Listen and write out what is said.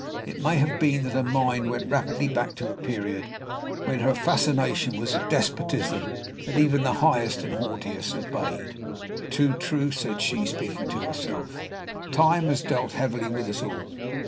It may have been that her mind went rapidly back to a period when her fascination was a despotism that even the highest and the haughtiest obeyed. "Too true," said she, speaking to herself, "time has dealt heavily with us all.